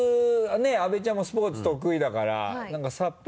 阿部ちゃんもスポーツ得意だからはい。